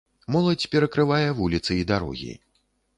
Моладзь перакрывае вуліцы і дарогі.